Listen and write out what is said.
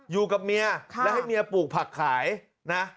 อยู่กับเมียและให้เมียปลูกผักขายนะ